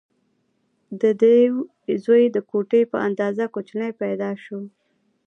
د دیو زوی د ګوتې په اندازه کوچنی پیدا شو.